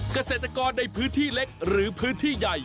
เกษตรกรในพื้นที่เล็กหรือพื้นที่ใหญ่